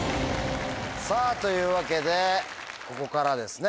さぁというわけでここからですね。